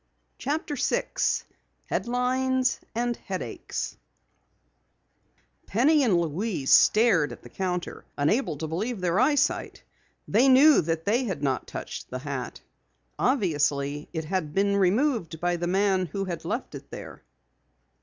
CHAPTER 6 HEADLINES AND HEADACHES Penny and Louise stared at the counter, unable to believe their eyesight. They knew that they had not touched the hat. Obviously it had been removed by the man who had left it there.